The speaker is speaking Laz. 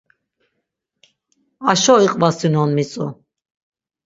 Aşo iqvasinon mitzu.